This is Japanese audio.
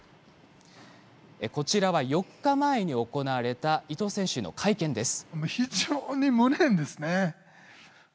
こちらは４日前に行われた伊藤選手の会見です。